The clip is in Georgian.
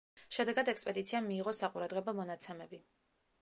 შედეგად ექსპედიციამ მიიღო საყურადღებო მონაცემები.